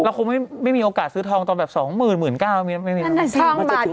เราคงไม่มีโอกาสซื้อทองตอนแบบ๒๐๐๐๐๑๙๐๐๐ไม่มีโอกาสซื้อ